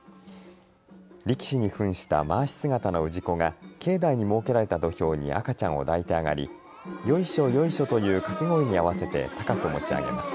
力士にふんしたまわし姿の氏子が境内に設けられた土俵に赤ちゃんを抱いて上がりよいしょ、よいしょという掛け声に合わせて高く持ち上げます。